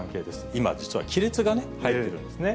今、実は亀裂が入ってるんですね。